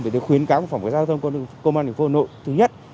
vì thế khuyến cáo của phòng giao thông công an tp hà nội thứ nhất